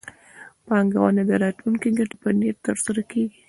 پانګونه د راتلونکي ګټې په نیت ترسره کېږي.